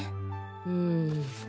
うん。